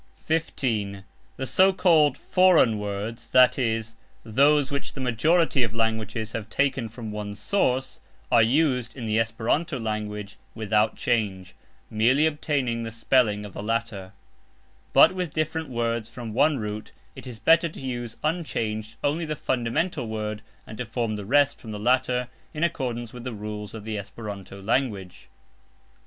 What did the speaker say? (15) The so called FOREIGN WORDS, that is, those which the majority of languages have taken from one source, are used in the Esperanto language without change, merely obtaining the spelling of the latter; but with different words from one root it is better to use unchanged only the fundamental word and to form the rest from this latter in accordance with the rules of the Esperanto language.